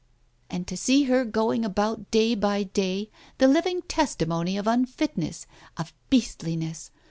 ... And to see her going about day by day, the living testimony of unfitness — of beastli ness.